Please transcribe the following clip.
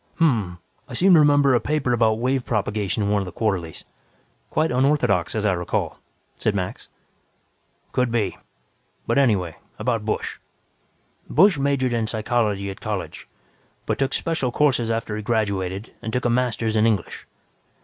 "Hm m m. I seem to remember a paper about wave propagation in one of the quarterlies. Quite unorthodox, as I recall," said Max. "Could be. But anyway, about Busch. "Busch majored in psychology at college, but took special courses after he graduated and took a Master's in English.